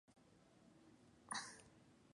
Además es practicante de triatlón.